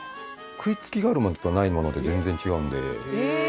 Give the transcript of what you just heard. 食い付きがあるものとないもので全然違うんで。